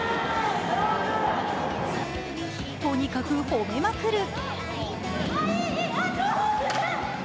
とにかく褒めまくる。